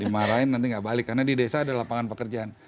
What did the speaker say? dimarahin nanti nggak balik karena di desa ada lapangan pekerjaan